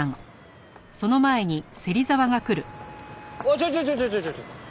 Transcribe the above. ちょちょちょちょちょちょ。